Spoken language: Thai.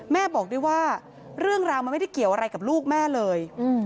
แม่บอกด้วยว่าเรื่องราวมันไม่ได้เกี่ยวอะไรกับลูกแม่เลย